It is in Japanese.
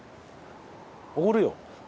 おごるよ。